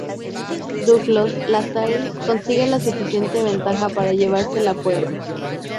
Duclos-Lassalle consigue la suficiente ventaja para llevarse la prueba.